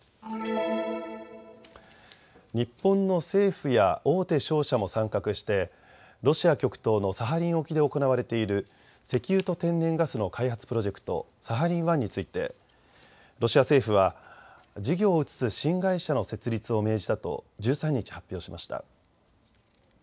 日本の政府や大手商社も参画してロシア極東のサハリン沖で行われている石油と天然ガスの開発プロジェクト、サハリン１についてロシア政府は事業を移す新会社の設立を命じたと１３日、発表しました。